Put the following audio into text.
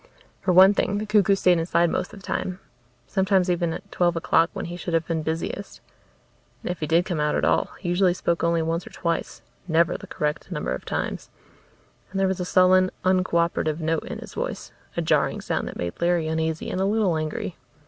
For one thing, the cuckoo stayed inside most of the time, sometimes even at twelve o'clock when he should have been busiest. And if he did come out at all he usually spoke only once or twice, never the correct number of times. And there was a sullen, uncooperative note in his voice, a jarring sound that made Larry uneasy and a little angry.